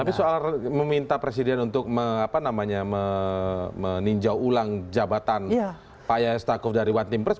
tapi soal meminta presiden untuk meninjau ulang jabatan pak yaya stakuf dari one team press